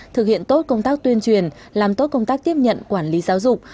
thực hiện tốt công tác tuyên truyền làm tốt công tác tiếp nhận quản lý giáo dục